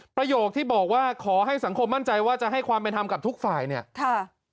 ประโยคที่บอกว่าขอให้สังคมมั่นใจว่าจะให้ความเป็นธรรมกับทุกฝ่ายเนี่ยค่ะ